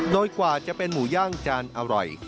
โดยกว่าจะเป็นหมูย่างจานอร่อย